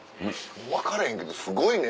分かれへんけどすごいね。